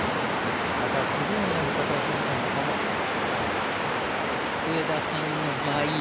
また、次のような見方をする専門家もいます。